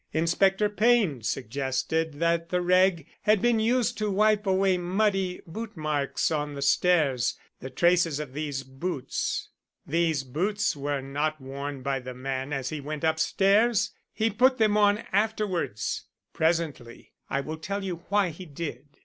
Inspector Payne suggested that the rag had been used to wipe away muddy boot marks on the stairs the traces of these boots. These boots were not worn by the man as he went upstairs; he put them on afterwards. Presently I will tell you why he did.